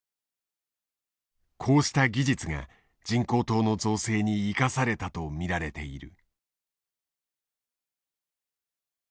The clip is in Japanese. こうした技術が人工島の造成に生かされたと見られている。